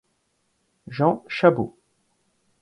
Jean Chabot.